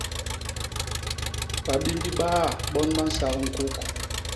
Babimbi baa bon ba nsak ñkuk.